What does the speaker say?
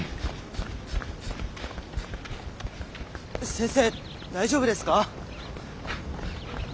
先生大丈夫ですか？